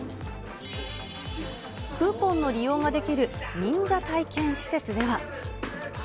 クーポンの利用ができる忍者体験施設では。